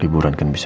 lalu aku mau kemana